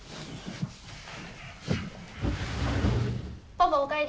パパお帰り。